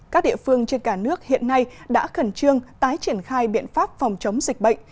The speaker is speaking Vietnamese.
các địa phương trên cả nước hiện nay đã khẩn trương tái triển khai biện pháp phòng chống dịch bệnh